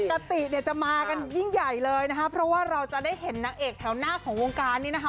ปกติเนี่ยจะมากันยิ่งใหญ่เลยนะคะเพราะว่าเราจะได้เห็นนางเอกแถวหน้าของวงการนี้นะคะ